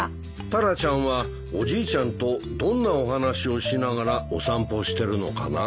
タラちゃんはおじいちゃんとどんなお話をしながらお散歩してるのかな？